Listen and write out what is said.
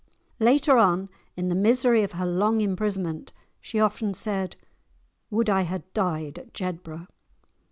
Later on, in the misery of her long imprisonment, she often said, "Would I had died at Jedburgh!"